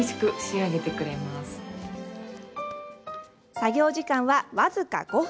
作業時間は、僅か５分。